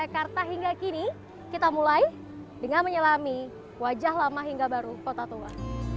kita mulai dengan menyelami wajah lama hingga baru kota tua